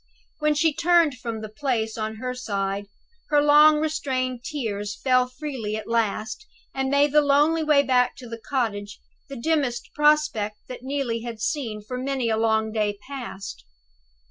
When she turned from the place, on her side, her long restrained tears fell freely at last, and made the lonely way back to the cottage the dimmest prospect that Neelie had seen for many a long day past.